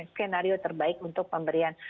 skenario terbaik untuk pemberian